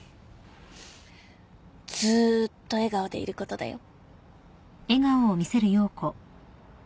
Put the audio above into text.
ずーっと笑顔でいることだよ